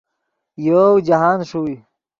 یوؤ جاہند ݰوئے